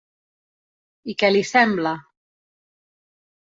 I què li sembla?